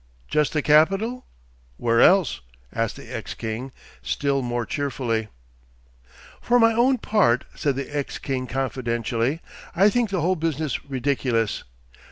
'Just the capital?' 'Where else?' asked the ex king, still more cheerfully. 'For my own part,' said the ex king confidentially, 'I think the whole business ridiculous.